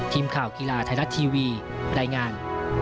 ทีมข่าวกีฬาไทยรัฐทีวีรายงาน